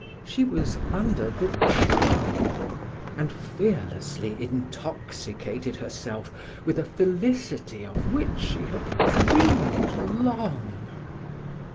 She was under the charm, and fearlessly intoxicated herself with a felicity of which she had dreamed long.